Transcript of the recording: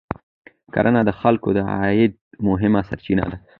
کرنه د خلکو د عاید مهمه سرچینه ده